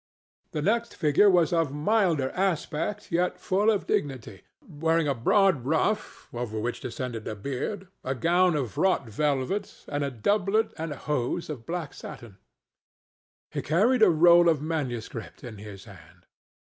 The next figure was of milder aspect, yet full of dignity, wearing a broad ruff, over which descended a beard, a gown of wrought velvet and a doublet and hose of black satin; he carried a roll of manuscript in his hand.